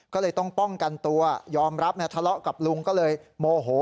ก็เลยต้องป้องกันตัวยอมรับทะเลาะกับลุงก็เลยโมโห